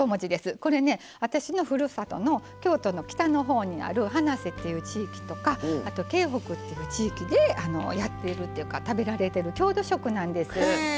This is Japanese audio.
これね私のふるさとの京都の北の方にある花脊っていう地域とかあと京北っていう地域でやっているというか食べられている郷土食なんです。